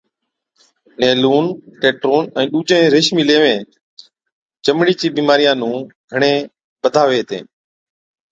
نيلُون، ٽيٽرون ائُون ڏُوجين ريشمِي ليوين چمڙي چي بِيمارِيا نُون گھڻَي بڌاوي هِتين